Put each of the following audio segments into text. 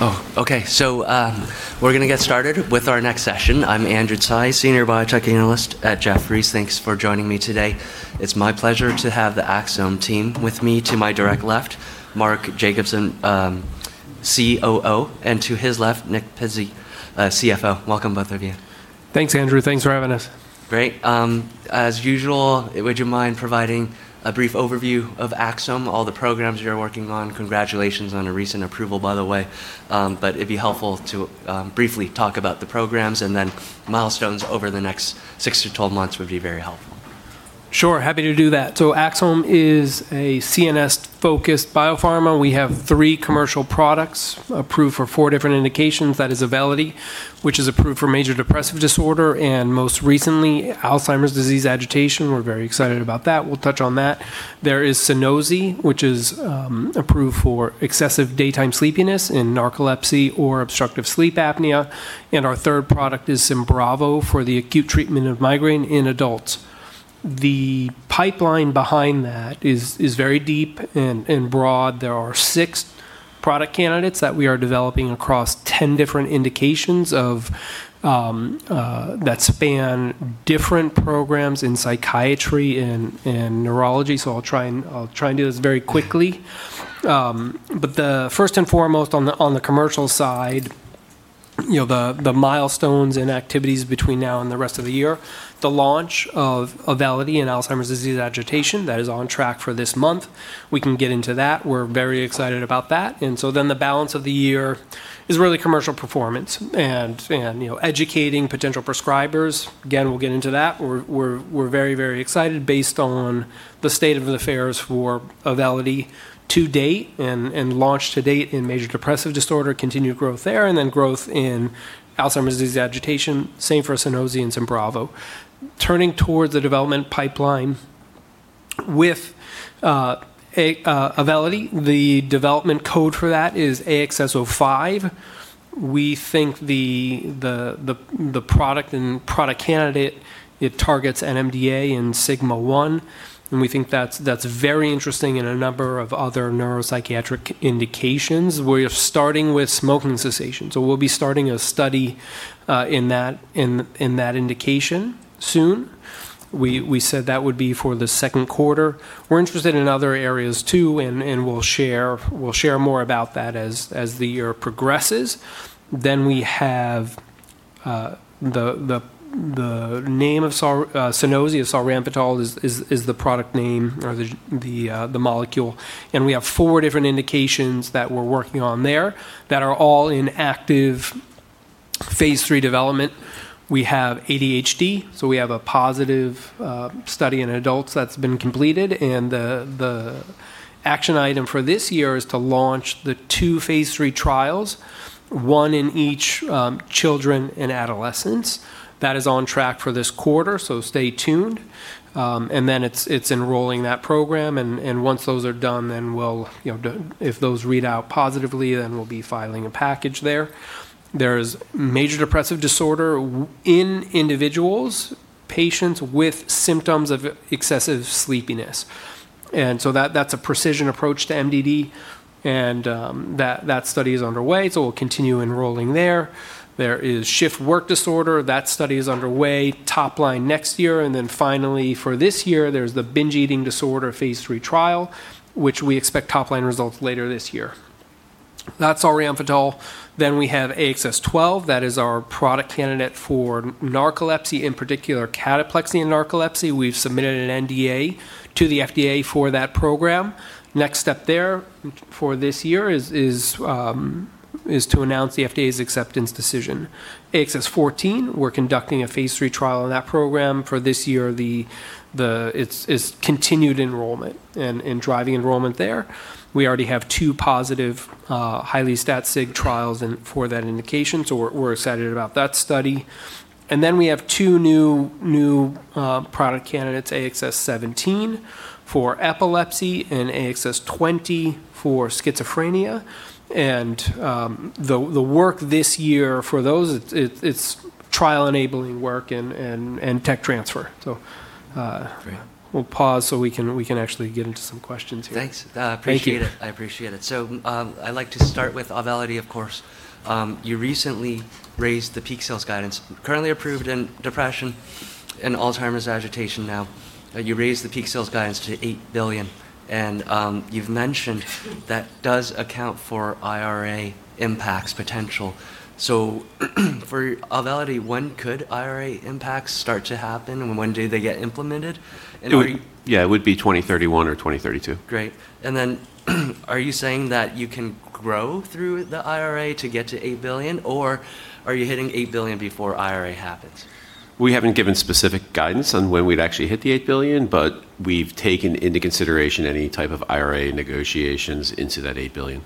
We're going to get started with our next session. I'm Andrew Tsai, senior biotech analyst at Jefferies. Thanks for joining me today. It's my pleasure to have the Axsome team with me. To my direct left, Mark Jacobson, COO, and to his left, Nick Pizzie, CFO. Welcome, both of you. Thanks, Andrew. Thanks for having us. Great. As usual, would you mind providing a brief overview of Axsome, all the programs you're working on? Congratulations on a recent approval, by the way. It'd be helpful to briefly talk about the programs, and then milestones over the next six to 12 months would be very helpful. Sure, happy to do that. Axsome is a CNS-focused biopharma. We have three commercial products approved for four different indications. That is Auvelity, which is approved for major depressive disorder and, most recently, Alzheimer's disease agitation. We're very excited about that. We'll touch on that. There is Sunosi, which is approved for excessive daytime sleepiness in narcolepsy or obstructive sleep apnea. Our third product is SYMBRAVO for the acute treatment of migraine in adults. The pipeline behind that is very deep and broad. There are six product candidates that we are developing across 10 different indications that span different programs in psychiatry and neurology. I'll try and do this very quickly. The first and foremost on the commercial side, the milestones and activities between now and the rest of the year, the launch of Auvelity in Alzheimer's disease agitation, that is on track for this month. We can get into that. We're very excited about that. Then the balance of the year is really commercial performance and educating potential prescribers. Again, we'll get into that. We're very excited based on the state of affairs for Auvelity to date and launch to date in major depressive disorder, continued growth there, and then growth in Alzheimer's disease agitation. Same for Sunosi and Symbravo. Turning towards the development pipeline. With Auvelity, the development code for that is AXS-05. We think the product and product candidate, it targets NMDA and Sigma-1, and we think that's very interesting in a number of other neuropsychiatric indications. We are starting with smoking cessation, so we'll be starting a study in that indication soon. We said that would be for the second quarter. We're interested in other areas, too, and we'll share more about that as the year progresses. We have the name of Sunosi, or solriamfetol is the product name or the molecule. We have four different indications that we're working on there that are all in active phase III development. We have ADHD, so we have a positive study in adults that's been completed, and the action item for this year is to launch the two phase III trials, one in each children and adolescents. That is on track for this quarter, so stay tuned. It's enrolling that program, and once those are done, if those read out positively, then we'll be filing a package there. There's major depressive disorder in individuals, patients with symptoms of excessive sleepiness. That's a precision approach to MDD, and that study is underway, so we'll continue enrolling there. There is shift work disorder. That study is underway. Top line next year. Finally, for this year, there's the binge eating disorder phase III trial, which we expect top line results later this year. That's solriamfetol. We have AXS-12. That is our product candidate for narcolepsy, in particular cataplexy and narcolepsy. We've submitted an NDA to the FDA for that program. Next step there for this year is to announce the FDA's acceptance decision. AXS-14, we're conducting a phase III trial on that program. For this year, it's continued enrollment and driving enrollment there. We already have two positive, highly stat sig trials for that indication, so we're excited about that study. We have two new product candidates, AXS-17 for epilepsy and AXS-20 for schizophrenia. The work this year for those, it's trial-enabling work and tech transfer. Great We'll pause so we can actually get into some questions here. Thanks. Thank you. I appreciate it. I'd like to start with Auvelity, of course. You recently raised the peak sales guidance, currently approved in depression and Alzheimer's disease agitation now. You raised the peak sales guidance to $8 billion, and you've mentioned that does account for IRA impacts potential. For Auvelity, when could IRA impacts start to happen, and when do they get implemented? Are you- Yeah, it would be 2031 or 2032. Great. Are you saying that you can grow through the IRA to get to $8 billion, or are you hitting $8 billion before IRA happens? We haven't given specific guidance on when we'd actually hit the $8 billion, but we've taken into consideration any type of IRA negotiations into that $8 billion.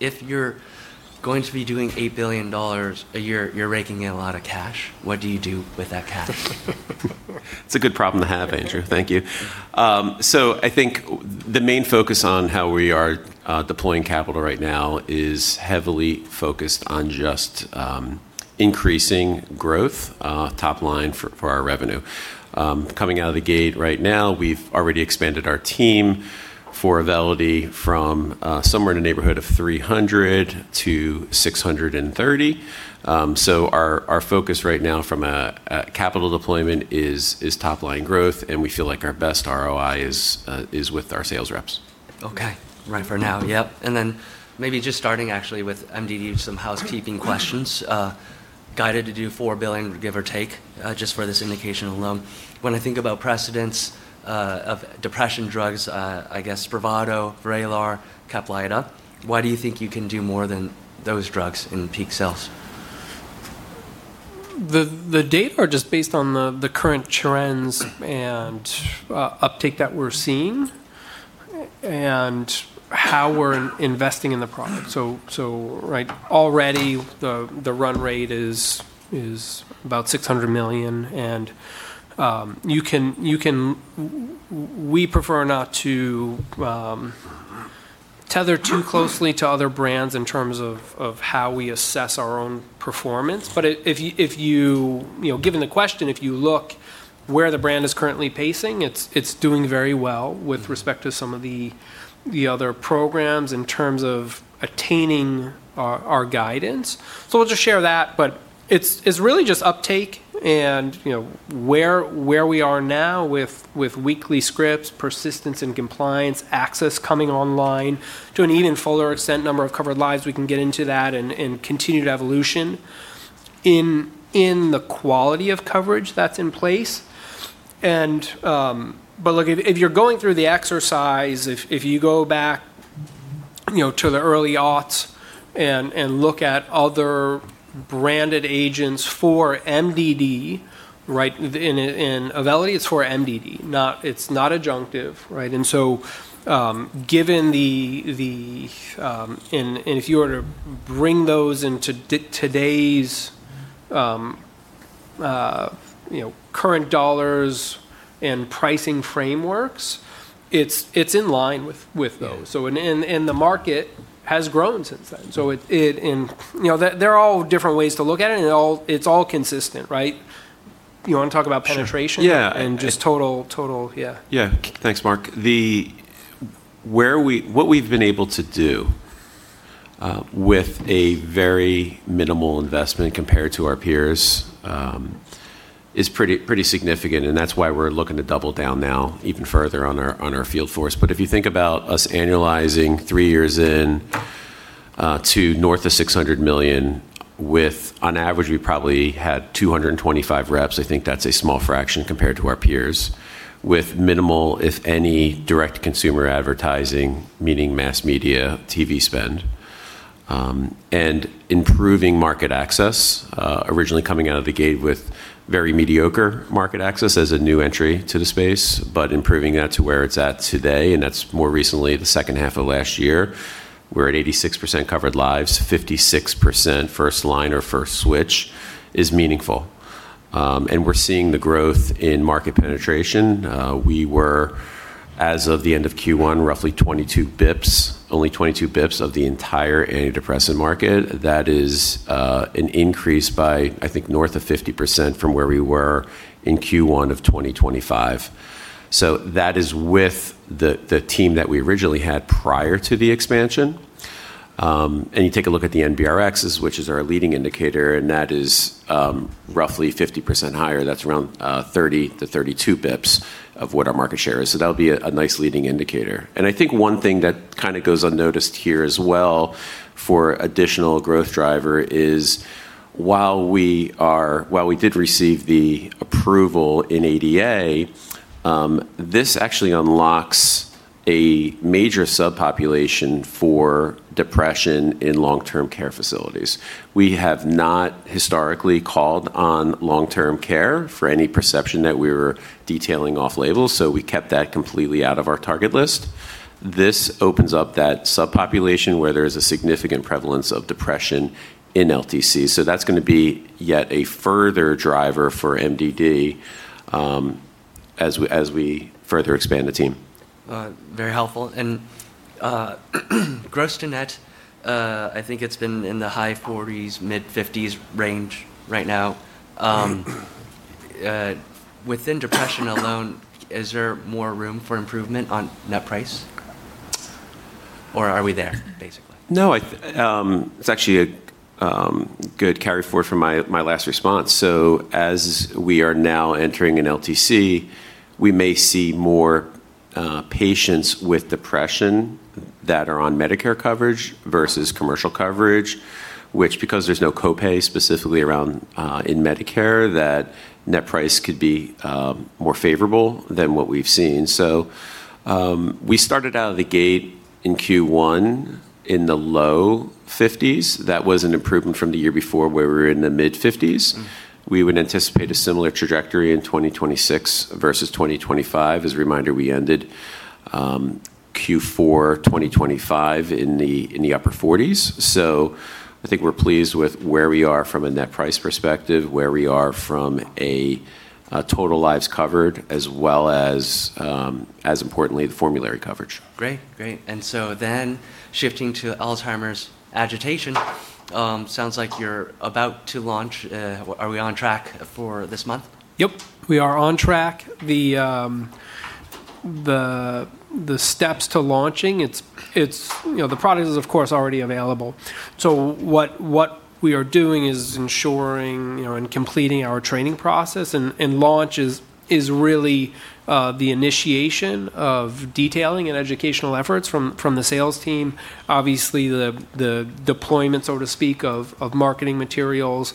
If you're going to be doing $8 billion a year, you're raking in a lot of cash. What do you do with that cash? It's a good problem to have, Andrew. Thank you. I think the main focus on how we are deploying capital right now is heavily focused on just increasing growth top line for our revenue. Coming out of the gate right now, we've already expanded our team for Auvelity from somewhere in the neighborhood of 300 to 630. Our focus right now from a capital deployment is top line growth, and we feel like our best ROI is with our sales reps. Okay. Right. For now. Yep. Then maybe just starting actually with MDD, some housekeeping questions, guided to do $4 billion, give or take, just for this indication alone. When I think about precedents of depression drugs, I guess Spravato, Vraylar, Caplyta, why do you think you can do more than those drugs in peak sales? The data are just based on the current trends and uptake that we're seeing and how we're investing in the product. Already the run rate is about $600 million. We prefer not to tether too closely to other brands in terms of how we assess our own performance. Given the question, if you look where the brand is currently pacing, it's doing very well with respect to some of the other programs in terms of attaining our guidance. We'll just share that, but it's really just uptake and where we are now with weekly scripts, persistence and compliance, access coming online to an even fuller extent, number of covered lives, we can get into that, and continued evolution in the quality of coverage that's in place. Look, if you're going through the exercise, if you go back to the early aughts and look at other branded agents for MDD, in Auvelity, it's for MDD. It's not adjunctive. If you were to bring those into today's current dollars and pricing frameworks, it's in line with those. Yeah. The market has grown since then. There are all different ways to look at it, and it's all consistent. Right? You want to talk about penetration- Sure. Yeah. Just total, yeah. Yeah. Thanks, Mark. What we've been able to do with a very minimal investment compared to our peers is pretty significant, and that's why we're looking to double down now even further on our field force. If you think about us annualizing three years in to north of $600 million with, on average, we probably had 225 reps. I think that's a small fraction compared to our peers. With minimal, if any, direct consumer advertising, meaning mass media, TV spend, and improving market access, originally coming out of the gate with very mediocre market access as a new entry to the space, but improving that to where it's at today, and that's more recently the second half of last year, we're at 86% covered lives, 56% first line or first switch is meaningful. We're seeing the growth in market penetration. We were, as of the end of Q1, roughly 22 bps, only 22 bps of the entire antidepressant market. That is an increase by, I think, north of 50% from where we were in Q1 of 2025. That is with the team that we originally had prior to the expansion. You take a look at the NBRx, which is our leading indicator, and that is roughly 50% higher. That's around 30 to 32 bps of what our market share is. That'll be a nice leading indicator. I think one thing that goes unnoticed here as well for additional growth driver is while we did receive the approval in ADA, this actually unlocks a major subpopulation for depression in long-term care facilities. We have not historically called on long-term care for any perception that we were detailing off-label, so we kept that completely out of our target list. This opens up that subpopulation where there is a significant prevalence of depression in LTC, so that's going to be yet a further driver for MDD as we further expand the team. Very helpful. Gross to net, I think it's been in the high 40s, mid-50s range right now. Within depression alone, is there more room for improvement on net price, or are we there, basically? No. It's actually a good carry forward from my last response. As we are now entering in LTC, we may see more patients with depression that are on Medicare coverage versus commercial coverage, which because there's no copay specifically around in Medicare, that net price could be more favorable than what we've seen. We started out of the gate in Q1 in the low 50s. That was an improvement from the year before, where we were in the mid-50s. We would anticipate a similar trajectory in 2026 versus 2025. As a reminder, we ended Q4 2025 in the upper 40s. I think we're pleased with where we are from a net price perspective, where we are from a total lives covered, as well as, importantly, the formulary coverage. Great. Shifting to Alzheimer's agitation, sounds like you're about to launch. Are we on track for this month? Yep, we are on track. The steps to launching, the product is of course already available. What we are doing is ensuring and completing our training process, and launch is really the initiation of detailing and educational efforts from the sales team, obviously the deployment, so to speak, of marketing materials,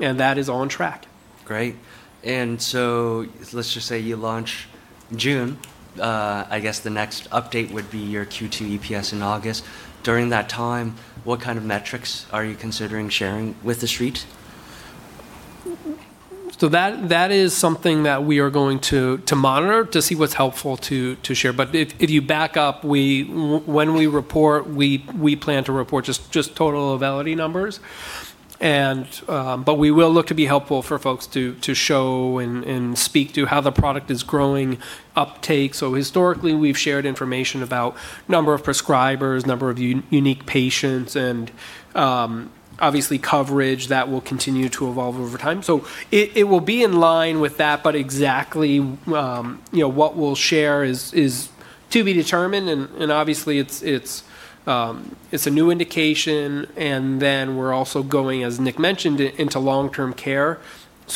and that is on track. Great. Let's just say you launch June. I guess the next update would be your Q2 EPS in August. During that time, what kind of metrics are you considering sharing with The Street? That is something that we are going to monitor to see what's helpful to share. If you back up, when we report, we plan to report just total Auvelity numbers. We will look to be helpful for folks to show and speak to how the product is growing uptake. Historically we've shared information about number of prescribers, number of unique patients, and obviously coverage. That will continue to evolve over time. It will be in line with that, but exactly what we'll share is to be determined, and obviously it's a new indication, and then we're also going, as Nick mentioned, into long-term care.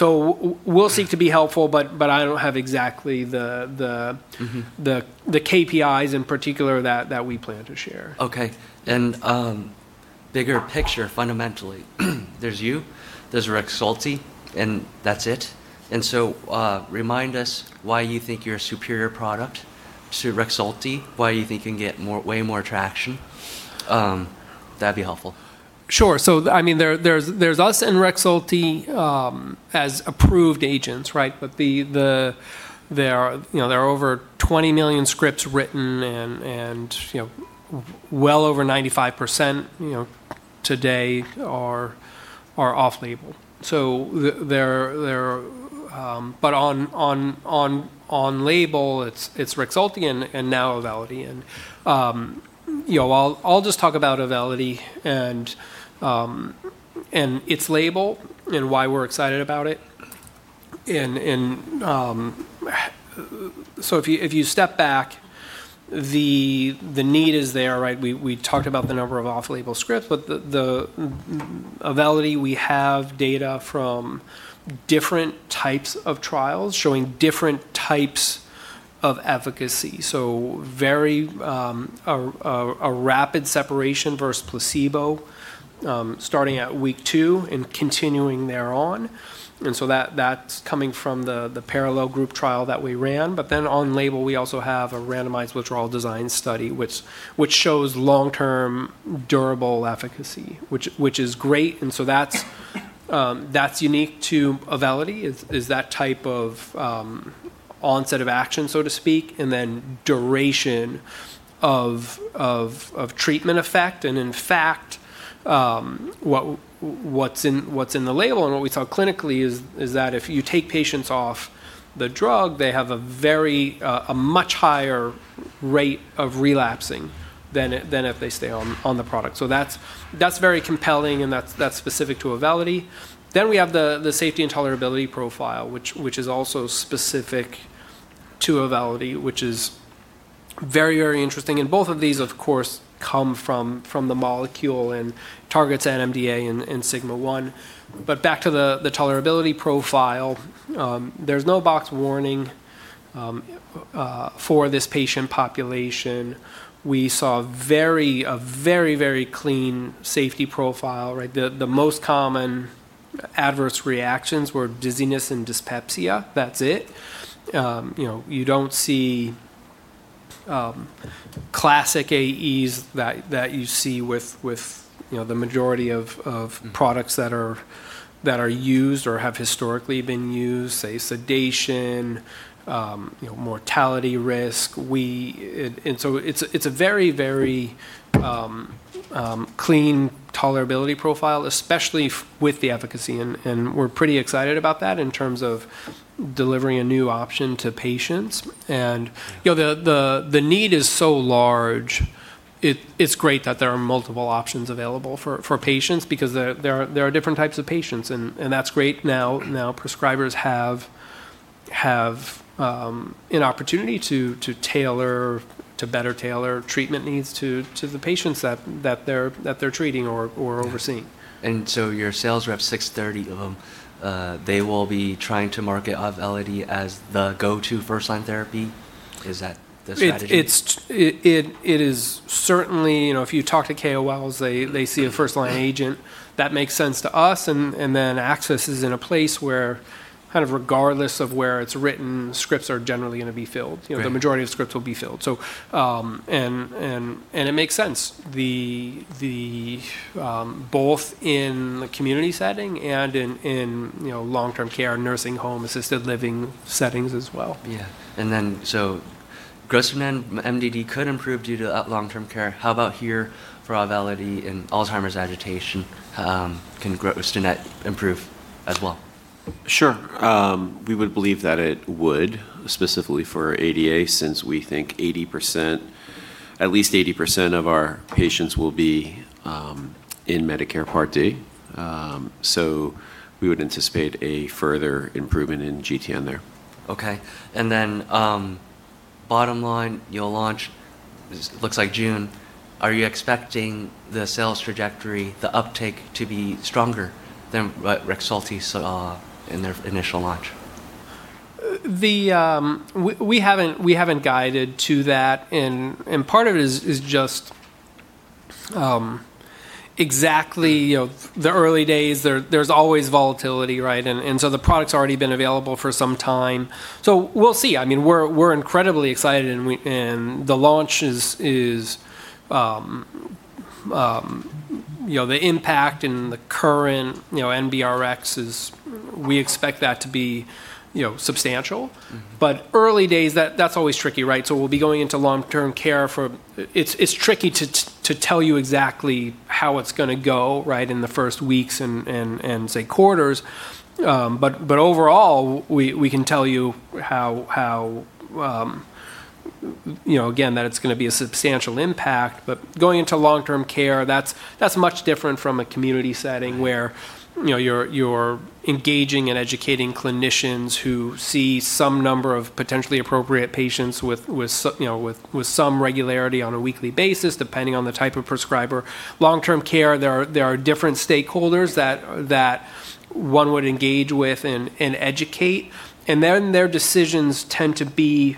We'll seek to be helpful. KPIs in particular that we plan to share. Okay. Bigger picture, fundamentally, there's you, there's REXULTI, and that's it. Remind us why you think you're a superior product to REXULTI, why you think you can get way more traction. That'd be helpful. Sure. There's us and REXULTI as approved agents, right? There are over 20 million scripts written and well over 95% today are off label. On label, it's REXULTI and now Auvelity. I'll just talk about Auvelity and its label and why we're excited about it. If you step back, the need is there, right? We talked about the number of off-label scripts, but the Auvelity, we have data from different types of trials showing different types of efficacy. A rapid separation versus placebo, starting at week 2 and continuing thereon. That's coming from the parallel group trial that we ran. On label, we also have a randomized withdrawal design study, which shows long-term durable efficacy, which is great. That's unique to Auvelity, is that type of onset of action, so to speak, and then duration of treatment effect. In fact, what's in the label and what we saw clinically is that if you take patients off the drug, they have a much higher rate of relapsing than if they stay on the product. That's very compelling and that's specific to Auvelity. We have the safety and tolerability profile, which is also specific to Auvelity, which is very interesting. Both of these, of course, come from the molecule and targets NMDA and Sigma-1. Back to the tolerability profile, there's no box warning for this patient population. We saw a very clean safety profile. The most common adverse reactions were dizziness and dyspepsia. That's it. You don't see classic AEs that you see with the majority of products that are used or have historically been used, say sedation, mortality risk. It's a very clean tolerability profile, especially with the efficacy. We're pretty excited about that in terms of delivering a new option to patients. The need is so large, it's great that there are multiple options available for patients because there are different types of patients, and that's great. Now prescribers have an opportunity to better tailor treatment needs to the patients that they're treating or overseeing. Your sales reps, 630 of them, they will be trying to market Auvelity as the go-to first-line therapy. Is that the strategy? It is. Certainly, if you talk to KOLs, they see a first-line agent. That makes sense to us. Access is in a place where kind of regardless of where it's written, scripts are generally going to be filled. Right. The majority of scripts will be filled. It makes sense, both in the community setting and in long-term care, nursing home, assisted living settings as well. Gross from MDD could improve due to long-term care. How about here for Auvelity and Alzheimer's agitation? Can gross to net improve as well? Sure. We would believe that it would, specifically for ADA, since we think at least 80% of our patients will be in Medicare Part D. We would anticipate a further improvement in GTN there. Okay. Bottom line, you'll launch, it looks like June. Are you expecting the sales trajectory, the uptake to be stronger than REXULTI saw in their initial launch? We haven't guided to that, and part of it is just exactly the early days, there's always volatility, right? The product's already been available for some time. We'll see. We're incredibly excited and the impact in the current NBRx, we expect that to be substantial. Early days, that's always tricky, right? We'll be going into long-term care. It's tricky to tell you exactly how it's going to go, right, in the first weeks and, say, quarters. Overall, we can tell you how, again, that it's going to be a substantial impact. Going into long-term care, that's much different from a community setting where. You're engaging and educating clinicians who see some number of potentially appropriate patients with some regularity on a weekly basis, depending on the type of prescriber. Long-term care, there are different stakeholders that one would engage with and educate. Their decisions tend to be,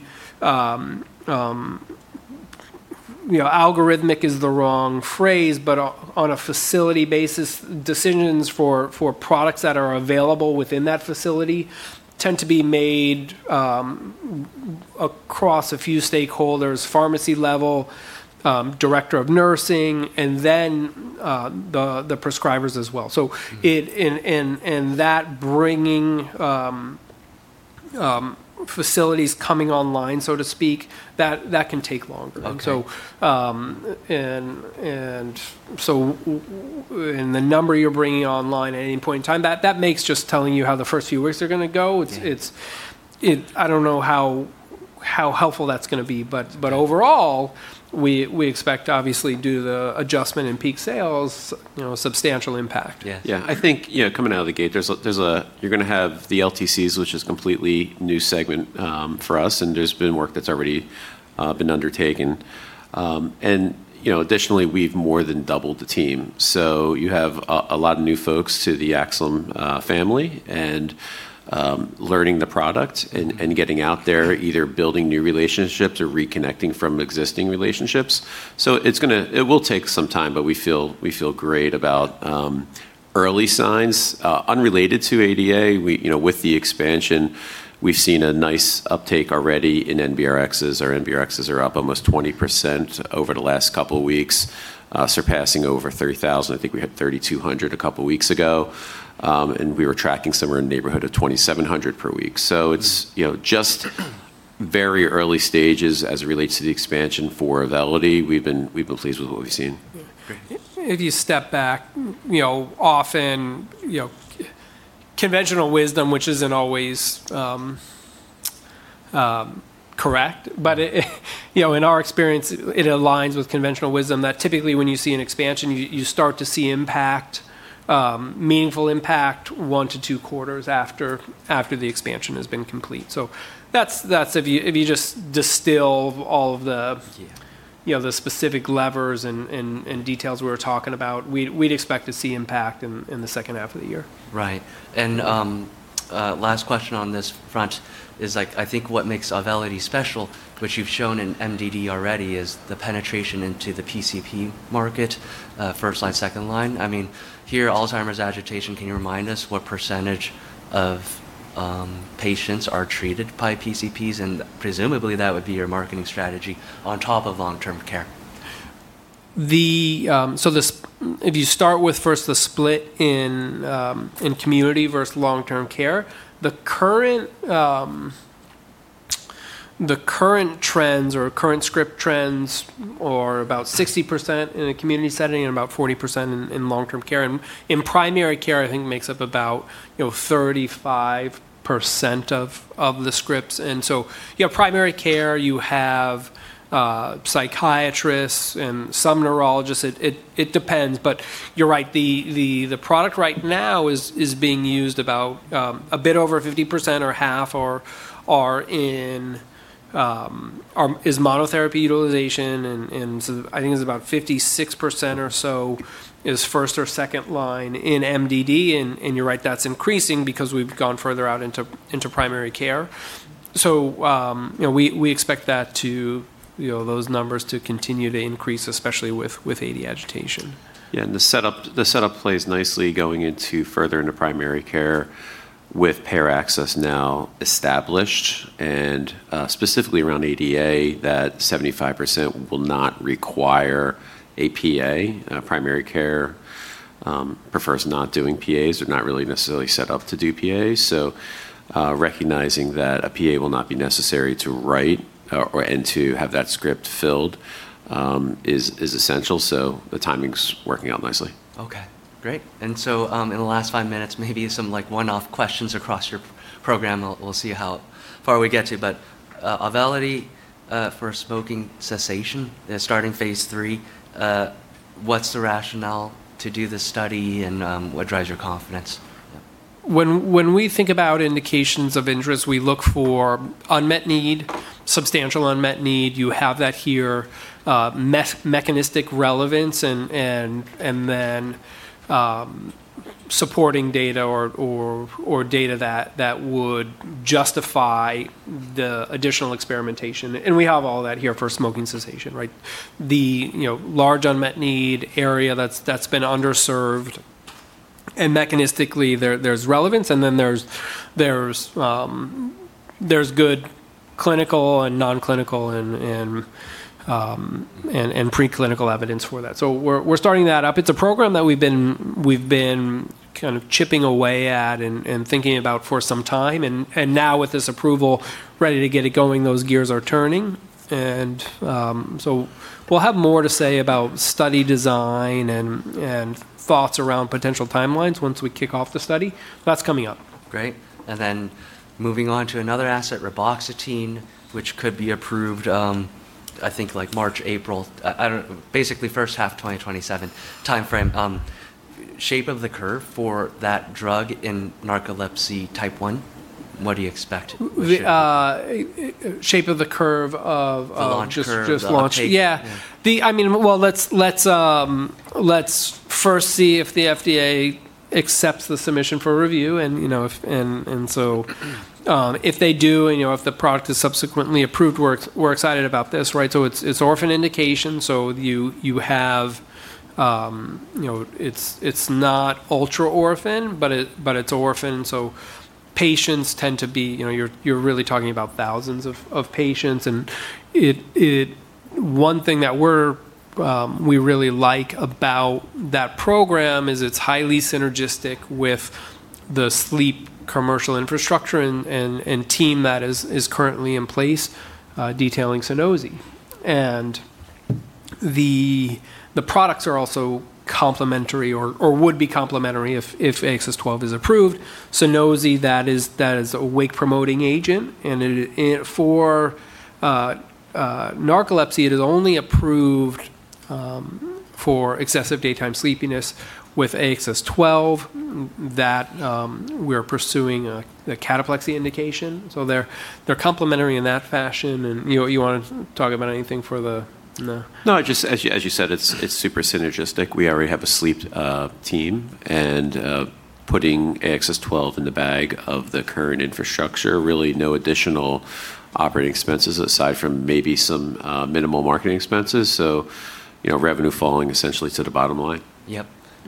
algorithmic is the wrong phrase, but on a facility basis, decisions for products that are available within that facility tend to be made across a few stakeholders, pharmacy level, director of nursing, and then the prescribers as well. That bringing facilities coming online, so to speak, that can take longer. Okay. The number you're bringing online at any point in time, that makes just telling you how the first few weeks are going to go. Yeah I don't know how helpful that's going to be. Overall, we expect, obviously, due to the adjustment in peak sales, a substantial impact. Yes. Yeah, I think, coming out of the gate, you're going to have the LTCs, which is a completely new segment for us, and there's been work that's already been undertaken. Additionally, we've more than doubled the team. You have a lot of new folks to the Axsome family, and learning the product and getting out there, either building new relationships or reconnecting from existing relationships. It will take some time, but we feel great about early signs, unrelated to ADA. With the expansion, we've seen a nice uptake already in NBRxs. Our NBRxs are up almost 20% over the last couple of weeks, surpassing over 30,000. I think we had 3,200 a couple of weeks ago. We were tracking somewhere in the neighborhood of 2,700 per week. It's just very early stages as it relates to the expansion for Auvelity. We've been pleased with what we've seen. Yeah. Great. If you step back, often conventional wisdom, which isn't always correct, but in our experience, it aligns with conventional wisdom that typically when you see an expansion, you start to see impact, meaningful impact, one to two quarters after the expansion has been complete. That's if you just distill all of. Yeah the specific levers and details we're talking about, we'd expect to see impact in the second half of the year. Last question on this front is, I think what makes Auvelity special, which you've shown in MDD already, is the penetration into the PCP market. First line, second line. Here, Alzheimer's agitation, can you remind us what % of patients are treated by PCPs? Presumably, that would be your marketing strategy on top of long-term care. If you start with first the split in community versus long-term care, the current trends or current script trends are about 60% in a community setting and about 40% in long-term care. In primary care, I think makes up about 35% of the scripts. Primary care, you have psychiatrists and some neurologists. It depends, but you're right. The product right now is being used about, a bit over 50% or half are in monotherapy utilization, and I think it's about 56% or so is first or second line in MDD. You're right, that's increasing because we've gone further out into primary care. We expect those numbers to continue to increase, especially with AD agitation. Yeah, the setup plays nicely going into further into primary care with payer access now established, and specifically around ADA, that 75% will not require PA. Primary care prefers not doing PAs. They're not really necessarily set up to do PAs. Recognizing that a PA will not be necessary to write and to have that script filled is essential. The timing's working out nicely. Okay, great. In the last five minutes, maybe some one-off questions across your program. We'll see how far we get to. Auvelity for smoking cessation, starting phase III, what's the rationale to do this study, and what drives your confidence? When we think about indications of interest, we look for unmet need, substantial unmet need. You have that here. Mechanistic relevance and then supporting data or data that would justify the additional experimentation, and we have all that here for smoking cessation, right? The large unmet need area that's been underserved, mechanistically, there's relevance and then there's good clinical and non-clinical and preclinical evidence for that. We're starting that up. It's a program that we've been kind of chipping away at and thinking about for some time, and now with this approval, ready to get it going, those gears are turning. We'll have more to say about study design and thoughts around potential timelines once we kick off the study. That's coming up. Great. Moving on to another asset, reboxetine, which could be approved, I think March, April. Basically first half 2027 timeframe. Shape of the curve for that drug in narcolepsy type 1, what do you expect? Shape of the curve The launch curve. just launch. Yeah. Yeah. Let's first see if the FDA accepts the submission for review. If they do, if the product is subsequently approved, we're excited about this. It's orphan indication, so it's not ultra orphan, but it's orphan, so you're really talking about thousands of patients. One thing that we really like about that program is it's highly synergistic with the sleep commercial infrastructure and team that is currently in place, detailing Sunosi. The products are also complementary or would be complementary if AXS-12 is approved. Sunosi, that is a wake-promoting agent, and for narcolepsy, it is only approved for excessive daytime sleepiness with AXS-12, that we're pursuing the cataplexy indication. They're complementary in that fashion, and you want to talk about anything for the As you said, it's super synergistic. We already have a sleep team, and putting AXS-12 in the bag of the current infrastructure, really no additional operating expenses aside from maybe some minimal marketing expenses. Revenue falling essentially to the bottom line. Yep.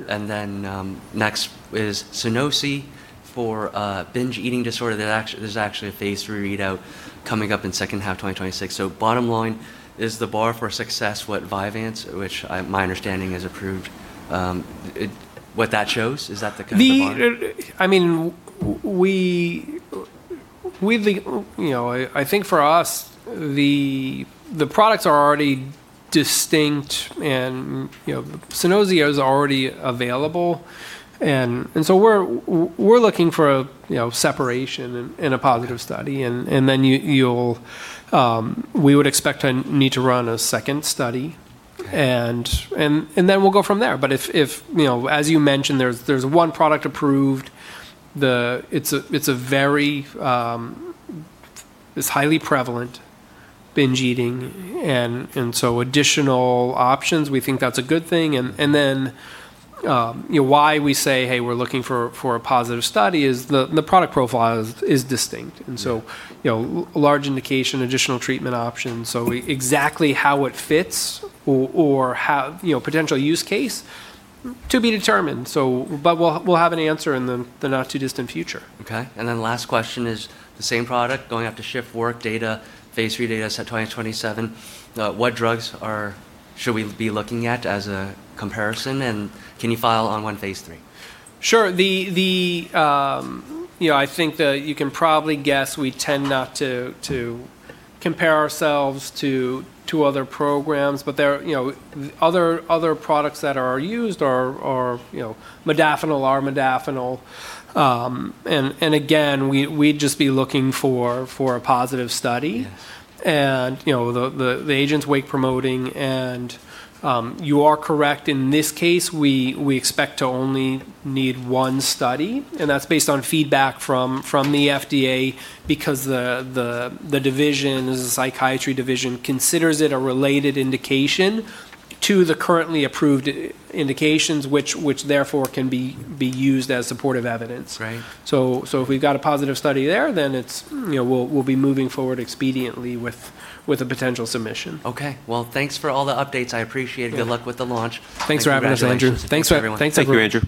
Next is Sunosi for binge eating disorder. There's actually a phase III readout coming up in second half 2026. Bottom line, is the bar for success what Vyvanse, which my understanding is approved, what that shows? Is that the kind of the bar? I think for us, the products are already distinct, and Sunosi is already available. We're looking for a separation in a positive study, and then we would expect to need to run a second study, and then we'll go from there. As you mentioned, there's one product approved. It's highly prevalent, binge eating, and so additional options, we think that's a good thing. Why we say, "Hey, we're looking for a positive study," is the product profile is distinct. Large indication, additional treatment options, so exactly how it fits or potential use case, to be determined. We'll have an answer in the not too distant future. Okay, last question is the same product, going off the shift work data, phase III data set 2027, what drugs should we be looking at as a comparison, and can you file on one phase III? Sure. I think that you can probably guess we tend not to compare ourselves to other programs, other products that are used are modafinil, armodafinil. Again, we'd just be looking for a positive study. Yeah. The agent's wake promoting, and you are correct. In this case, we expect to only need one study, and that's based on feedback from the FDA because the psychiatry division considers it a related indication to the currently approved indications, which therefore can be used as supportive evidence. Right. If we've got a positive study there, then we'll be moving forward expediently with a potential submission. Okay. Well, thanks for all the updates. I appreciate it. Good luck with the launch. Thanks for having us, Andrew. Congratulations. Thanks, everyone. Thank you, Andrew.